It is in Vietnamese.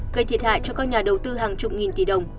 gây thiệt hại cho các nhà đầu tư hàng chục nghìn tỷ đồng